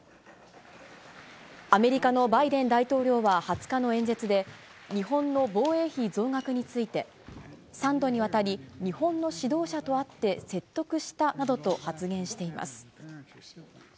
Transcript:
アメリカのバイデン大統領は２０日の演説で、日本の防衛費増額について、３度にわたり、日本の指導者と会って説得したなどと発言しています。